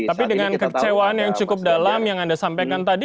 tapi dengan kecewaan yang cukup dalam yang anda sampaikan tadi